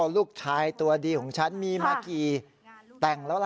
ลูกชายตัวดีของฉันมีมากี่แต่งแล้วล่ะ